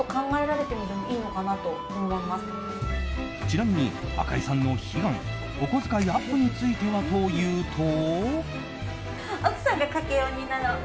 ちなみに、赤井さんの悲願お小遣いアップについてはというと。